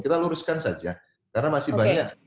kita luruskan saja karena masih banyak